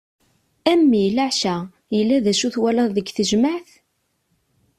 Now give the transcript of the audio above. A mmi leɛca! yella d acu twalaḍ deg tejmaɛt?